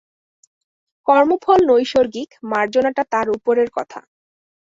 কর্মফল নৈসর্গিক, মার্জনাটা তার উপরের কথা।